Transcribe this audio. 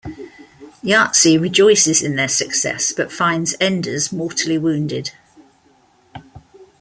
Yahzee rejoices in their success but finds Enders mortally wounded.